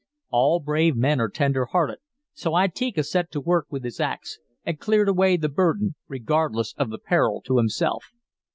"All brave men are tender hearted, so Itika set to work with his axe and cleared away the burden, regardless of the peril to himself.